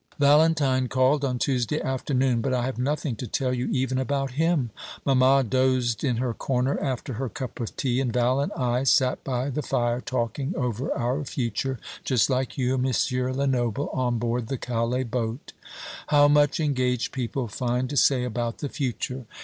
Valentine called on Tuesday afternoon; but I have nothing to tell you even about him. Mamma dozed in her corner after her cup of tea, and Val and I sat by the fire talking over our future, just like you and M. Lenoble on board the Calais boat. How much engaged people find to say about the future!